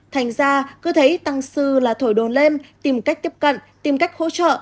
thành ra cứ thấy tăng sư là thổi đồn lên tìm cách tiếp cận tìm cách hỗ trợ